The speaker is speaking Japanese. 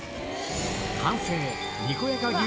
完成、にこやか牛